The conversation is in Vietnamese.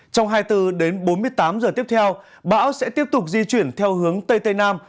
trong hai mươi bốn đến bốn mươi tám giờ tiếp theo bão sẽ tiếp tục di chuyển theo hướng tây tây nam